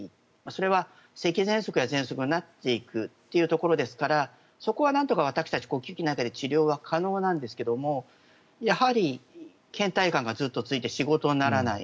それはせきぜんそくになっていくということですからそこはなんとか私たち、呼吸器内科で治療が可能なんですがやはりけん怠感がずっと続いて仕事にならない。